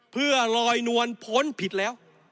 เพื่อลอยนวลพ้นผิดแล้ว